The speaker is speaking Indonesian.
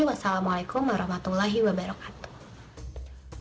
wassalamualaikum warahmatullahi wabarakatuh